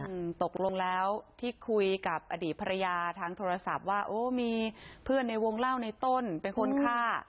อืมตกลงแล้วที่คุยกับอดีตภรรยาทางโทรศัพท์ว่าโอ้มีเพื่อนในวงเล่าในต้นเป็นคนฆ่า